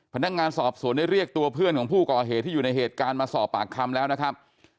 พนักงานสอบสวนได้เรียกตัวเพื่อนของผู้ก่อเหตุที่อยู่ในเหตุการณ์มาสอบปากคำแล้วนะครับ